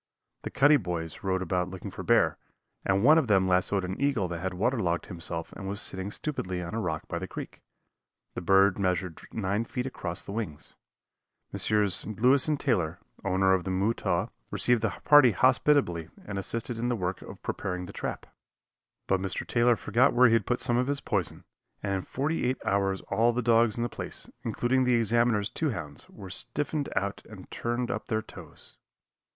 The Cuddy boys rode about looking for bear, and one of them lassoed an eagle that had waterlogged himself and was sitting stupidly on a rock by the creek. The bird measured nine feet across the wings. Messrs. Louis and Taylor, owners of the Mutaw, received the party hospitably and assisted in the work of preparing the trap. But Mr. Taylor forgot where he had put some of his poison, and in forty eight hours all the dogs in the place, including the Examiner's two hounds, were stiffened out and turned up their toes.